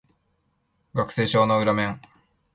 学生証の裏面